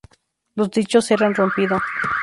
Los dichos eran rompido.